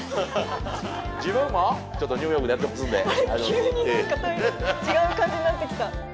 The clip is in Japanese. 急に何か違う感じになってきた。